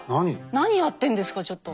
何やってんですかちょっと。